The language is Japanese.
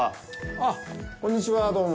あっ、こんにちは、どうも。